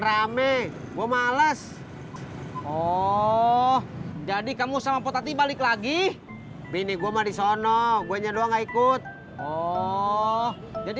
rame gua males oh jadi kamu sama potati balik lagi bini gua mah disono gua nyadol nggak ikut oh jadi